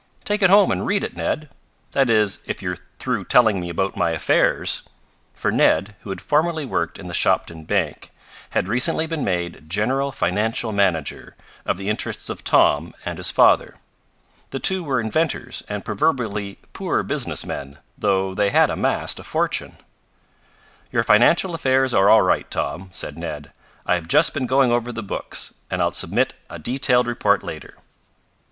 Take it home and read it! Ned. That is if you're through telling me about my affairs," for Ned, who had formerly worked in the Shopton bank, had recently been made general financial manager of the interests of Tom and his father. The two were inventors and proverbially poor business men, though they had amassed a fortune. "Your financial affairs are all right, Tom," said Ned. "I have just been going over the books, and I'll submit a detailed report later."